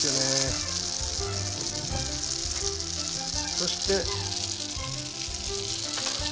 そして。